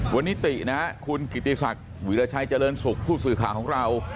วันนี้ตินะคุณกิติศักดิ์วิราชัยเจริญสุขผู้สื่อข่าวของเรา